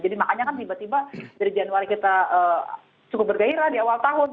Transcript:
makanya kan tiba tiba dari januari kita cukup bergairah di awal tahun